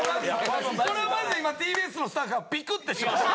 これはマジで今ＴＢＳのスタッフがビクッてしました。